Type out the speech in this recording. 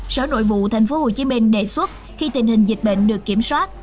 sở nội vụ tp hcm đề xuất khi tình hình dịch bệnh được kiểm soát